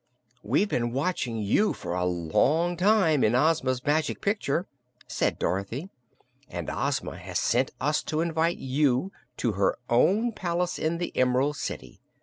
"We've been watching you for a long time, in Ozma's Magic Picture," said Dorothy, "and Ozma has sent us to invite you to her own palace in the Em'rald City.